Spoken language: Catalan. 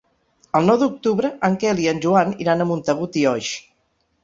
El nou d'octubre en Quel i en Joan iran a Montagut i Oix.